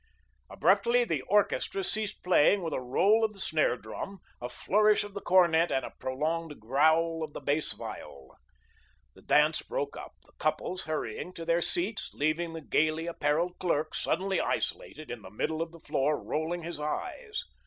Abruptly the orchestra ceased playing with a roll of the snare drum, a flourish of the cornet and a prolonged growl of the bass viol. The dance broke up, the couples hurrying to their seats, leaving the gayly apparelled clerk suddenly isolated in the middle of the floor, rolling his eyes.